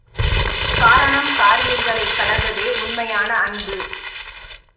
காரணம், காரியங்களைக் கடந்ததே உண்மையான அன்பு.